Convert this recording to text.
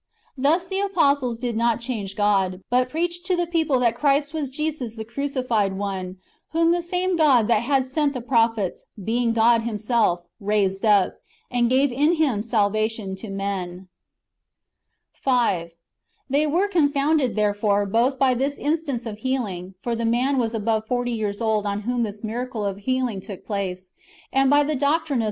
^ Thus the apostles did not change God, but preached to the people that Christ was Jesus the cruci fied One, whom the same God that had sent the prophets, being God Himself, raised up, and gave in Him salvation to men. 5. They were confounded, therefore, both by this instance of healing ("for the man was above forty years old on whom this miracle of healing took place "^), and by the doctrine of ^ Acts iii. 12, etc. Acts iv. 2. 3 Acts iv.